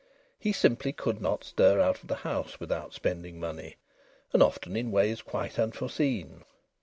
He simply could not stir out of the house without spending money, and often in ways quite unforeseen.